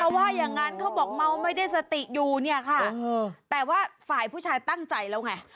ว่าอย่างนั้นเขาบอกเมาไม่ได้สติอยู่เนี่ยค่ะแต่ว่าฝ่ายผู้ชายตั้งใจแล้วไง